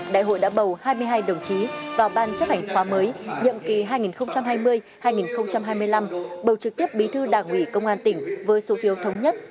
đại hội đã bầu hai mươi hai đồng chí vào ban chấp hành khóa mới nhiệm kỳ hai nghìn hai mươi hai nghìn hai mươi năm bầu trực tiếp bí thư đảng ủy công an tỉnh với số phiếu thống nhất